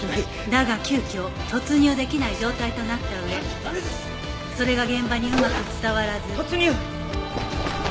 だが急きょ突入できない状態となった上それが現場にうまく伝わらず突入！